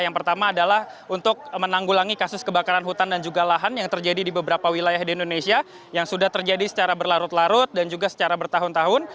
yang pertama adalah untuk menanggulangi kasus kebakaran hutan dan juga lahan yang terjadi di beberapa wilayah di indonesia yang sudah terjadi secara berlarut larut dan juga secara bertahun tahun